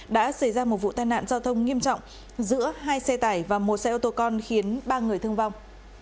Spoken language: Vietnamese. đã xảy ra một vụ tai nạn giao thông nghiêm trọng giữa hai xe tải và một xe ô tô con khiến ba người thương vong